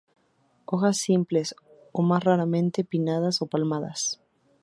Hojas simples o, más raramente, pinnadas o palmadas.